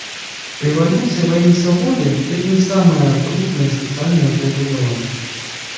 Революция во имя свободы — это не самое трудное социальное преобразование.